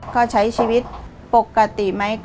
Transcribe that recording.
ก็ใช้ชีวิตปกติไหม